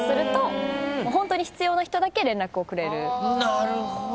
なるほど。